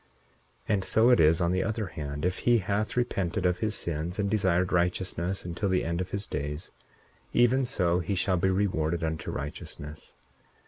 41:6 And so it is on the other hand. If he hath repented of his sins, and desired righteousness until the end of his days, even so he shall be rewarded unto righteousness.